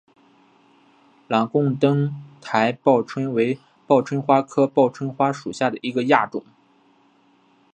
朗贡灯台报春为报春花科报春花属下的一个亚种。